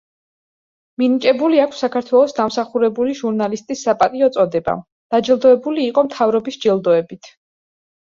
მინიჭებული აქვს საქართველოს დამსახურებული ჟურნალისტის საპატიო წოდება, დაჯილდოებული იყო მთავრობის ჯილდოებით.